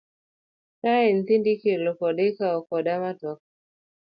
Kae nyithindo ikelo kendo ikawo koda matoka.